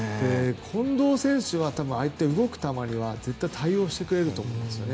近藤選手はああいう動く球には絶対対応してくれると思うんですよね。